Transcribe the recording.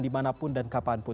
di manapun dan kapanpun